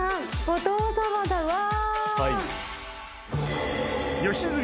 お父様だうわ！